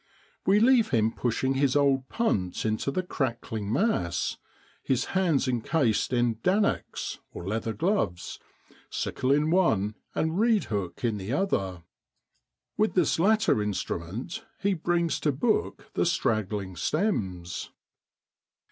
We leave him pushing his old punt into the crackling mass, hands encased in l dannocks ' (leather gloves), sickle in one, and reedhook in the other. With this latter instrument he brings to book the straggling stems.